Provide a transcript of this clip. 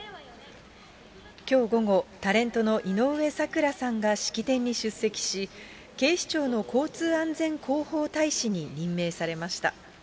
きょう午後、タレントの井上さくらさんが式典に出席し、警視庁の交通安全広報大使に任命されました。